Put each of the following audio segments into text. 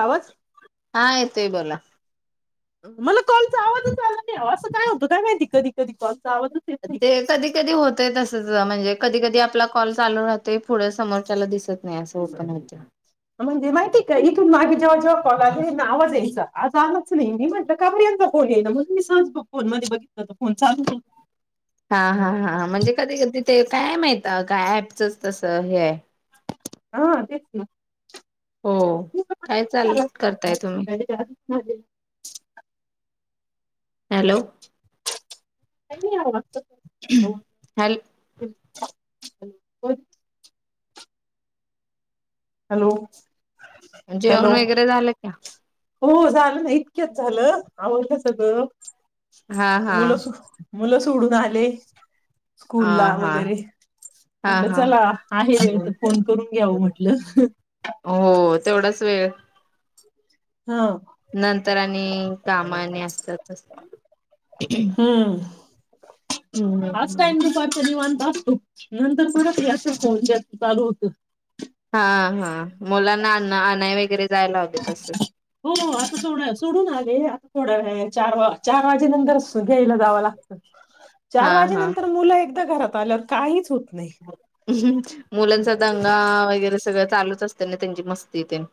आवाज हां येतोय बोला. मला कॉलचा आवाजच आला नाहीअसं काय होतं माहिती कधी कधी कॉलचा आवाज ते कधी कधी होतय तसच म्हणजे कधी कधी आपला कॉल चालू राहतोय. पुढं समोरच्याला दिसत नाही असं ओपन होत म्हणजे माहिती का इथून मागे जेव्हा जेव्हा कॉला आले ना आवाज आज आलाच नाही. मी म्हटलं काबर यांचा फोन येत नाही. मी सहज फोन मध्ये बघितलं तर फोन चालूच होता. हा हा हा म्हणजे कधी? ते काय माहित काय अँपचच तसं हे हाय. हा तेच ना. हो काय चालय करताय तुम्ही? [unintelligible] हॅलो. का नाही आहों आमचं. Hello [unintelligible] hello. हॅलो जेवण वगैरे झालं का? हो झालं ना इतक्यात झालं आवरलं सगळ. हां हां. मुलं सोडून आले. अ स्कूल ला हा वगैरे हा म्हटलं हा. चला आहे, तर फोन करून घ्याव म्हटलं. [unintelligible] थोडाच वेळ हा नंतर आणि काम आणि असतात. हम्म. हम्म हम्म [unintelligible] बघ तू नंतर परत याच्या फोन चालू होतो. हा हा. मुलांना आण आणाय वगैरे जायला लावते तस. हो आता सोडा सोडून आले आता थोड्या चार वा चार वाजे नंतर द्यायला जावं लागतं. चार हा वाजे हा नंतर मुलं एकदा घरात त आल्यावर काहीच नाही मुलांचा दंगा वगैरे सगळं. चालूच असते ना त्यांची मस्तीे तेन.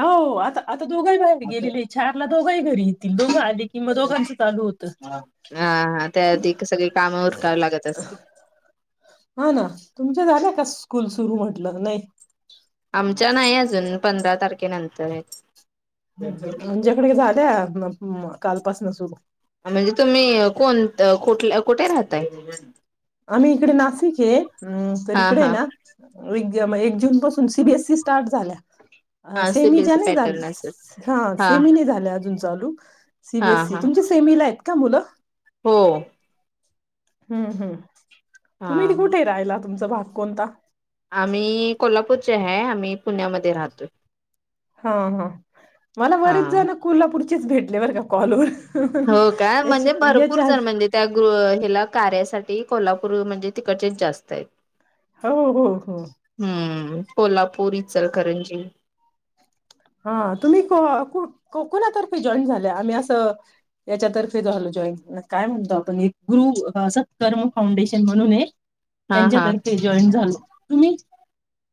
हो आता. आता दोघही बाहेर गेलेलेय चारला दोघही घरी दोघ. किंवा दोघांच चालू होत हा त्या आधी सगळी कामं उरकावी लागत असतील. हा ना तुमच्या झाल्या का स्कूल सुरू म्हटलं नाही‌. आमच्या नाही अजून पंधरा तारखेनंतर. हम्म आमच्याकडे झाल्या म कालपासनं सुरू. म्हणजे तुम्ही कोणत कुठल कुठे राहताय. आम्ही इकडे नाशिकेचे हम्म तर हा इकडे हा. ना विगं एक जून पासून सीबीएससी स्टार्ट झाल्या. हा सेमीच्या सीबीएसई नाही पॅटर्न असेल हाय, हा सेमी नाही झाल्या अजून चालू हा सीबीएससी हा तुमच्या सेमी ला आहेत मुलं हो. हम्म हम्म. तुम्ही हा. बी कुठे राहिला. तुमचा भाग कोणता आम्ही कोल्हापूर आम्ही पुण्यामध्ये राहतोय.. हो हो मला हा. बरेच जण कोल्हापूर भेटले बरं का कॉलवर. हो का याच्या म्हणजे भरपूर याच्या जण म्हणजे त्या गृ ह्याला कार्यासाठी. कोल्हापूर म्हणजे तिकडचेच जास्त आहेत. हो हो हो. हम्म कोल्हापूर इचलकरंजी. हा तुम्ही को कु कोणातर्फे जॉईनड झाले आम्ही असं याच्यातर्फे झालो जॉईन काय म्हणतोता ग्रुप सत्कर्म फाउंडेशन म्हणूने. हा हा. त्यांच्यातर्फे जॉईड झालो. तुम्ही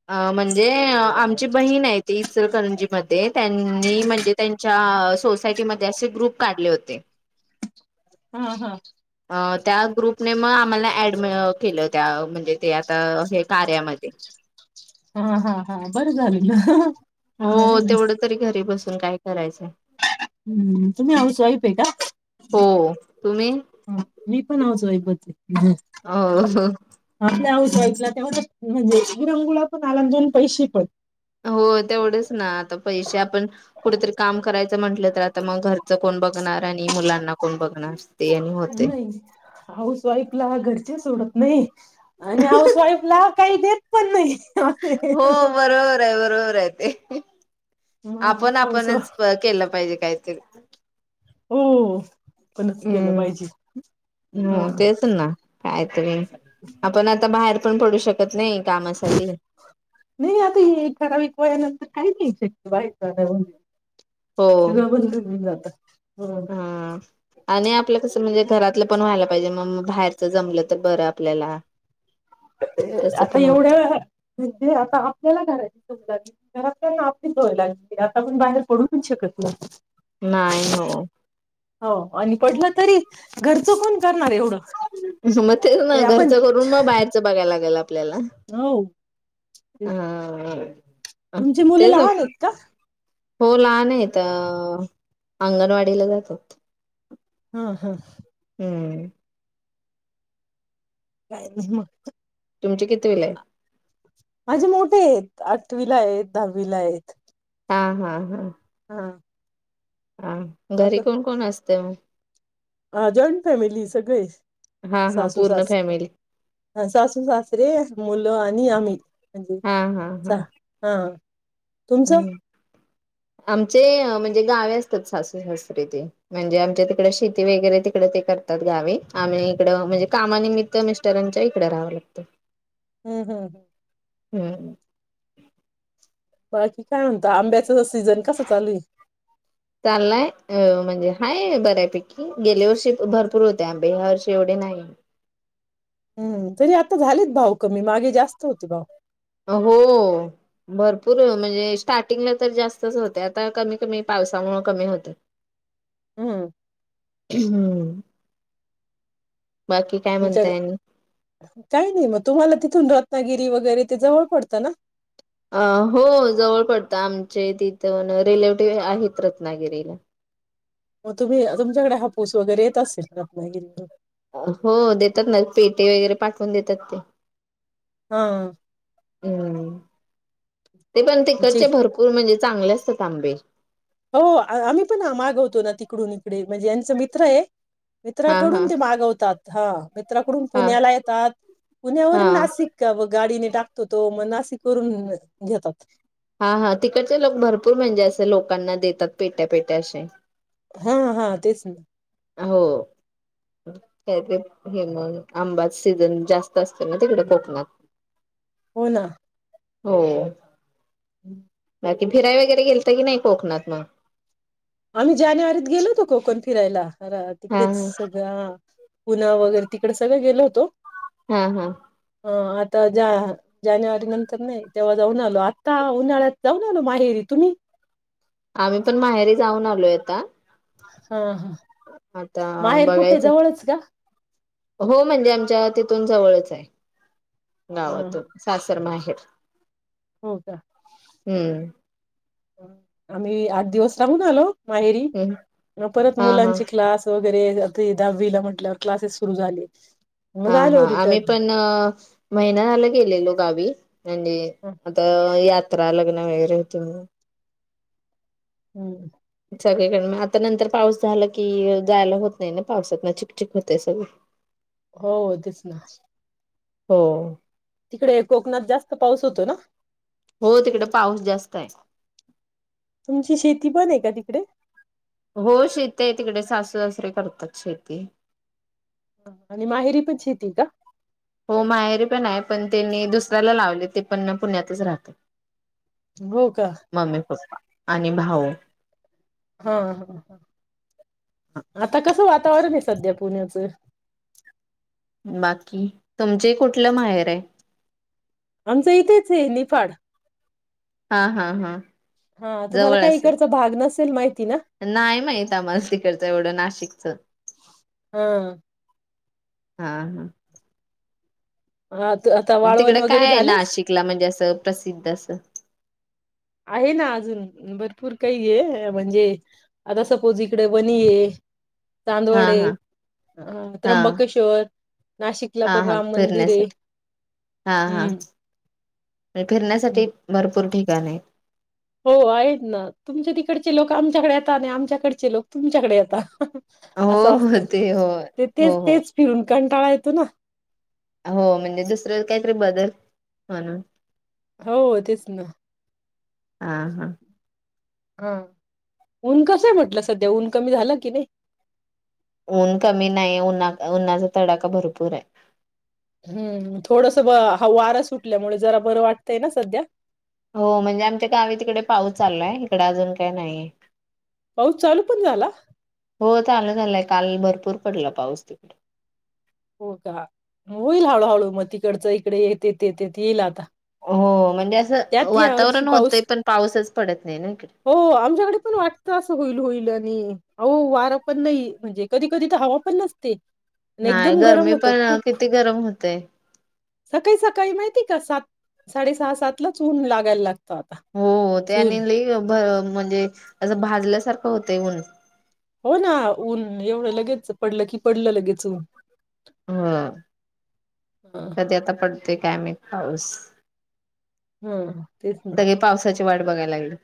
अ म्हणजे ते त्यांनी म्हणजे त्यांच्या सोसायटी मध्येअसे ग्रुप काढले होते. हा हा. त्या ग्रुपने मग आम्हाला ऍडम केलं त्या म्हणजे ते आता. कार्यामध्ये हा हा हा बरं झालं ना बरं हो आहे ना तेवढं तरी, घरी बसून काय करायचंय. हम्म तुम्ही हौस वाइफ. पेटा हो. तुम्ही ह मी पण हाऊस वाईफ. बज. हम् हो आपल्या हौस वाइफला तेव्हा म्हणजे विरंगोळा पण आला दोन पैसे पन हो तेवढेच ना आता पैसे आपण कुठेतरी काम करायचं म्हटलं तर आता मग घरचं कोण बघणार आणि मुलांना कोण बघणार? ते आणि होते. नाही हाऊस वाईफला घरच्या सोडत नाही. नाही. आणि हाऊस वाईफ ला काही देत पण नाही असे अ आपण हाऊस वाईफ आपणच केलं पाहिजे. कायतरी हो. पणच केलं पाहिजे हम्म हा हो तेच ना कायतरी आपण आता बाहेर पण पडू शकत नाही कामासाठी नाही नाही आता ही एक ठराविक वय हाय ना आता. क [inaudible] नाही शक बाय. सगळं भरूनच घेऊन जातात. [unintelligible] हम आणि आपलं कसं म्हणजे घरातलं पण व्हायला पाहिजे मग बाहेरच जमलं तर बर आपल्याला तसं आता पण एवढ्या होत वेळात म्हणतील आता आपल्याला घरातील सोडतात. घरातल्यांना आपली सवय लागली आता आपण बाहेर पडूच शकत नाही. नाही हो हो आणि पडलं तरी घरचं कोण करणार एवढं. मग तेच ना ते आपण घरचं करून मग बाहेरच. बघायला लागले आपल्याला आपल्याला हम् तुमचे मुल तेच लहान येत का? हो लहान येत अ अंगणवाडीला जातात. हा ह. हम्म. काय नइ मग तुमची कितवीलाये? माजे मोठे येत आठवीलायेत, दहावीलायेत. हां-हां-हां हां हां, घरी कोण कोण अस ते म् हां जॉईंट फॅमिलीय सगळे. हा हा सासू पूर्ण सास फॅमिली हं सासू सासरे मुलं आ नी आम्ही म्हणजे सहा हां-हां-हां हा तुमचं हम्, आमचे मन ते गावी असतात सासू सासरी ते. म्हणजे आमच्या तिकडं शेती वगैरे तिकडे ते करतात गावे. आणि इकडं म्हणजे कामानिमित्त मिस्टरांच्या इकडे राहावं लागतं. हम्-हम्-हम् हम्म बाकी काय म्हणता? आंब्याचं सीझन कसं चालूये? चाललाय अं म्हणजे हाय बऱ्यापैकी. गेल्या वर्षी भरपूर होते आंबे ह्या वर्षी एवढे नाही. हम्म, तरी आता झालेत भाव कमी मागे जास्त होते भाव. हो, भरपूर म्हणजे स्टार्टिंगला तर जास्तच होते. आता कमी-कमी पावसामुळे कमी होतंय. हम् हम्म बाकी [unintelligible] काय म्हणताय आणि काही नाही म तुम्हाला तिथून रतगी ते वगैरे ते जवळ पडत ना? अं हो, जवळ पडतं आमचे तिथ न रिलेटिव आहेत रत्नागिरीला. म तुम्ही तुमच्याकडे हापूस वगैरे येत असेल रत्नागिरीहुन. हो देतात ना पेटे वगैरे पाठवून देतात ते. हां अम् ते पण जे तिकचे भरपूर म्हणजे चांगले असतेत आंबे. हो, आम्ही पणा मागवतो ना तिकडून. इडे म्हणजे यांचा मित्र ए. हा हा मित्राकडून ते मागवतात. हां म्त्राकडून हा पुण्याला येतात. हा पुण्यावरून नासिक का मग? गाडीने टाकतो तो, म नासिक वरून घेतात. हां-हां तिकडचे लोक भरपूर म्हणजे असे लोकांना देतात पेट्या पेट्या अशे. हां-हां तेच ना. हो, [unintelligible] आंबाच सीझन जास्त असतो ना तिकडे कोकणात. हो ना हो [inaudible] अते फिरायला कधी गेलते की नाही कोकणात म. आम्ही जानेवारीत गेलो होतो कोकण फिरायला [unintelligible] हा तिकडेच हा सगळ पुणं वगैरे तिकडे सगले गेलो होतो हम् हम् अ आता जा जानेवारी नंतर नाही तेव्हा जाऊन आलो आता उन्हाळ्यात जाऊन आलो माहेरी तुम्ही आम्ही पण माहेरी जाऊन आलोय आता हा हा आता माहेर कुठे बघायचं जवळच का हो म्हणजे आमच्या तिथून जवळचये हा गावात सासर मा [unintelligible] हो का आम्ही आठ दिवस राहून आलो माहेरी हम्म मग परत हा हा मुलांची क्लास वगैरे आता हे दहावीला म्ह ल्या क्लासेस सुरु झाले मग हा हा आलो आम्ही रिटर्न पण अ महिना झाला गेलेलो गावी म्हणजे आता यात त्रा लग्न वैगरे होत म्हणून हम्म सगळीकडून आता नंतर पाऊस झाला की जायला होत नाही ना पावसात ना चिकचिक होते सगळ हो हो तेच ना हो तिकडे कोकणात जास्त पाऊस होतो ना हो तिकडे पाऊस जास्त ये तुमची शेती पण आहे का तिकडे हो शेेतिय आहे तिकडे सासू सासरे करतात शेती आणि माहेरी पण शेती ये का हो माहेरी पण आहे पण त्यांनी दुसऱ्याला लावले ते पण पुण्यातच राहतात हो का? मम्मी पप्पा आणि भाऊ. हा हा ह आता कसं वात [unintelligible] सध्या पुण्याच बाकी तुमचेय कुठलं माहेर ये. आमचं इथेच आहे निफाड हा हा हा हा तुम्हाला जवळ काही असेल इकडचा भाग नसेल माहिती ना नाही माहित आम्हास तिकडच एवढं नाशिकच हा हां हां आ, त- आता वाळवण तिकड वगैरे काय आहे झालंच नाशिकला म्हणजे असं प्रसिद्ध असं आहे ना अजून भरपूर काही आहे म्हणजे आता सपोज इकडे वनी आहेत हा चांदवड आहे हा अ हा त्र्यंबकेश्वर नाशिकला हा पण हा राम मंदिर आहे फिरण्यासाठी हा हा हम् ह का नाही. हो आहेत ना तुमचे तिकडचे लोक आमच्याकडे येतात, आणि आमच्याकडचे लोक तुमच्याकडे येतात. हो हो ते होय हो तेच हो.. तेच फिरून कंटाळा येतो ना. हो म्हणजे दुसरे काहीतरी बदल म्हणून हो हो तेच ना. हा हा हा ऊन कसंय म्हटलं सध्या ऊन कमी, झाल की नाही. ऊन कमी नाही उन्हा उन्हाचा तडाखा भरपूर आहे. हम्म थोडस ब, वारा सुटल्यामुळे जरा बरं वाटतंय ना सध्या. हो म्हणजे आमच्या गावी तिकडे पाऊस चाललायंं इकडं अजून काही नाहिये. पाऊस चालू पण झाला? हो चालु झालाय काल भरपूर पडला पाऊस तिकडे. हो का होईल हळूहळू मग तिकडंच इकडे येतेत येतेत येईल आता. हो‌ हो. म्हणजे असं त्यात या वर्षी वातावरण होतंय पाऊस पण पाऊसच पडत नाही ना इकडे. हो, आमच्याकडे पण वाटत असं होईल, होईल., आणि अहो वारं पण नाही म्हणजे कधी कधी तर हवा पण नसते. आणि नाही एकदम गरम गरमी होतं पण किती गरम होतयं. सकाळी सकाळी माहिती का सात साडे सहा सात. [unintelligible] ऊन लागायं लागतयं. हो हो ते आणि [unintelligible] म्हणजे असं भाजल्यासारखं होतयं ऊन. हो ना ऊन एवढं लगेच पडलं की पडलं लगेच ऊन. हा हां, कधी आता पड ते काय माहीत पाऊस. हं. सगळें पावसाचे- वाट बघायं लागलेत.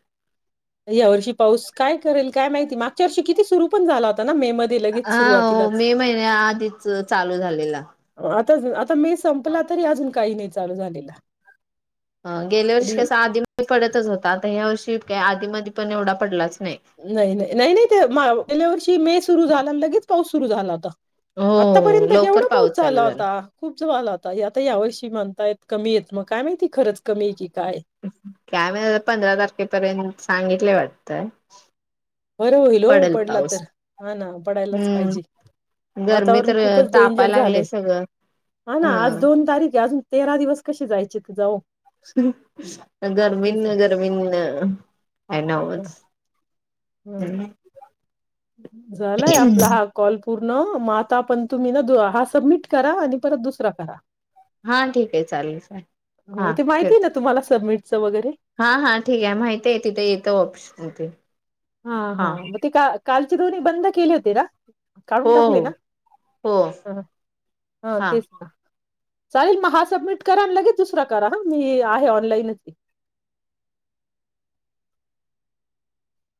या वर्षी पाऊस काय करेल काय माहिती मागच्या वर्षी किती सुरू पण झाला होता ना मेमध्ये लगेच हा ओ सुरुवातीलाच. मे महिन्या आधीच चालू झालेला. [inaudible] मे संपला तरी अजून काही नाही चालू झालेला. ह गेल्या वर्षी कधी कस आधी पडतच होता, आता ह्या वर्षी.. [unintelligible] आधी मधी पण एवढा पडलाच. नाही. नाही नाही नाही नाही तेे गेल्या वर्षी मे- सुरु झाल्या लगेच पाऊस सुरु झाला होता.. हो आतापर्यंत लवकर केवढा पाऊस चालू झाला होता. खूप चो आला होता आता या वर्षी म्हणतायेत कमी येत. मग काय माहिती खरच कमी आहे की काय? काय माहित आता पंधरा तारखेपर्यंत सांगितलंय वाट [inaudible] बरं होईल हो पडला तर हा ना. पडायलाच पाहिजे हम्म गरमी वातावरण तर खूपच तापाय डेंजर लागले झालंय. सगळं हा ना आज दोन तारीख आहे अजून तेरा दिवस कसे जायचेत जाओ तेच ना. गर्मीनं गर्मीन काय नव्हंच हम्म. झालाय आपला हा कॉल पूर्ण मग आता पण तुम्ही ना हा सबमिट करा आणि परत दुसरा करा. हा ठीक आहे चालेल, चालेल हा ठेवते. च वगैरे हा, हा ठीक आहे माहिती आहे तिथे येतो ऑप्शन ते हा, हा मग ते का कालचे दोन्ही बंद केले होते ना? काढून हो टाकले ना? हो हो हं हा हा तेच ना. चालेल मग हा सबमिट करा आणि लगेच दुसरा करा ह मी आहे ऑनलाईनच आहे.